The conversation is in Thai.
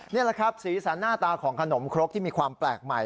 นี่แหละครับสีสันหน้าตาของขนมครกที่มีความแปลกใหม่